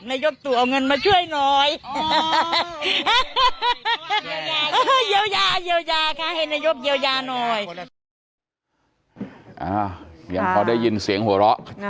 นะคะ